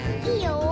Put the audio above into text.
いいよ。